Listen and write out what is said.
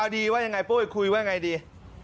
อ่าดีว่ายังไงโป้ยคุยว่ายังไงดี